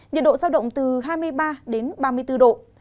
nhiệt độ giao động từ hai mươi ba đến ba mươi bốn độ